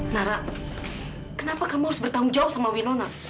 nara kenapa kamu harus bertanggung jawab sama winona